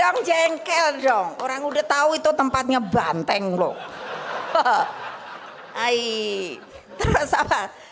hai jengkel dong orang udah tahu itu tempatnya banteng lo hai hai terasa jadi saya bilang gini kapan